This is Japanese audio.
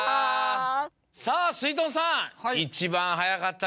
さぁすいとんさん一番早かったです。